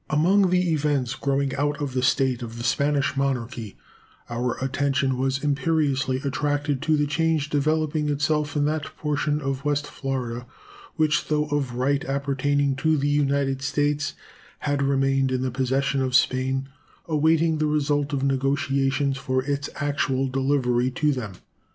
Among the events growing out of the state of the Spanish Monarchy, our attention was imperiously attracted to the change developing itself in that portion of West Florida which, though of right appertaining to the United States, had remained in the possession of Spain awaiting the result of negotiations for its actual delivery to them.